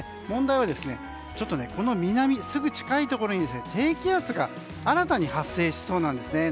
問題はこの南すぐ近いところに低気圧が新たに発生しそうなんです。